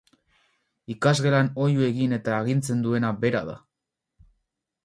Ikasgelan oihu egin eta agintzen duena bera da.